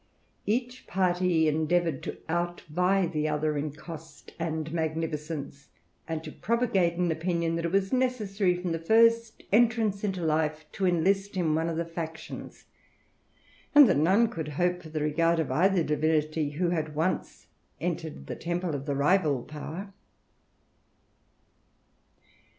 Each party endeavoured to outvie the other in cost and magnificence, and to propagate an opinion, that it was necessary, from the first entrance into life, to enhst in one of the factions ; and 46 THE RAMBLER. that none could hope for the regard of either divinity, who had once entered the temple of the rival power.